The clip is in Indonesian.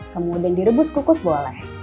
kemudian direbus kukus boleh